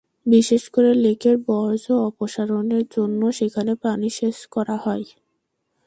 বিশেষ করে লেকের বর্জ্য অপসারণের জন্য সেখানে পানি সেচ করা হয়।